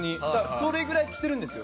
それくらい着てるんですよ。